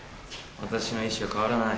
私の意思は変わらない。